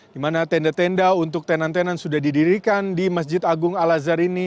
di mana tenda tenda untuk tenan tenan sudah didirikan di masjid agung al azhar ini